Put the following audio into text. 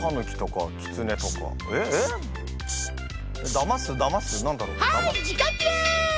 だますだます何だろう？